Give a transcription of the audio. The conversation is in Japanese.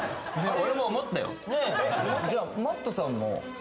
俺も思ったよ